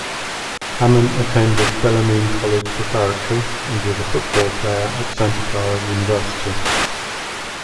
Hamann attended Bellarmine College Preparatory and was a football player at Santa Clara University.